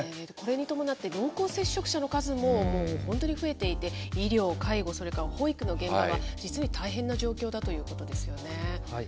これに伴って、濃厚接触者の数ももう本当に増えていて、医療、介護、それから保育の現場は実に大変な状況だということですよね。